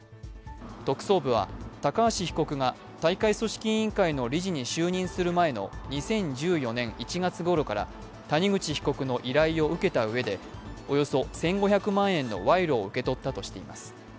特捜部は高橋被告が大会組織委員会の理事に就任する前の２０１４年１月ごろから谷口被告の依頼を受けたうえでおよそ１５００万円の賄賂を受け取ったとしています。